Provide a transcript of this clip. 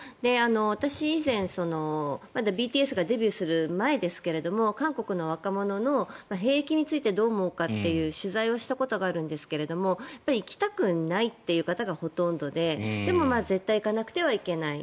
私、以前、まだＢＴＳがデビューする前ですが韓国の若者の兵役についてどう思うかという取材をしたことがあるんですが行きたくないっていう方がほとんどででも絶対行かなくてはいけない。